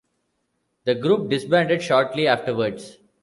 The group disbanded shortly afterwards.